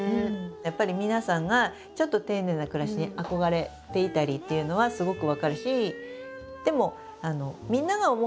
やっぱり皆さんがちょっと丁寧な暮らしに憧れていたりっていうのはすごく分かるし。